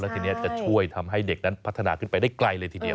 ทีนี้จะช่วยทำให้เด็กนั้นพัฒนาขึ้นไปได้ไกลเลยทีเดียว